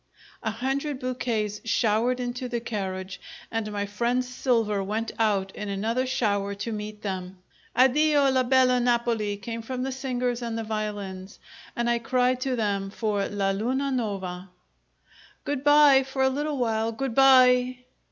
A hundred bouquets showered into the carriage, and my friend's silver went out in another shower to meet them. "Addio, la bella Napoli!" came from the singers and the violins, but I cried to them for "La Luna Nova." "Good bye for a little while good bye!"